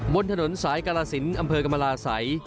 บนถนนสายกาลาศิลป์อำเภอกำลาสัย